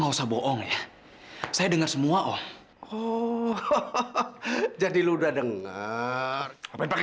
kayaknya aku harus balik deh